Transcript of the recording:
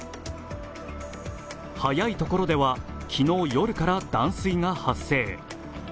早いところでは昨日夜から断水が発生。